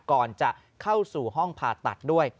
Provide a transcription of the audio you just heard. ก่อนจะเข้าสู่ห้องผ่าตัดด้วย